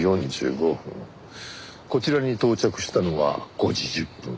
こちらに到着したのが５時１０分。